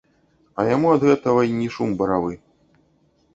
А яму ад гэтага й не шум баравы.